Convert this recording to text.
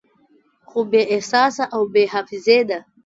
خو بې احساسه او بې حافظې ده